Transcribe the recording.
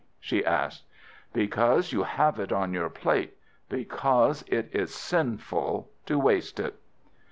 she asked. "Because you have it on your plate. Because it is sinful to waste it."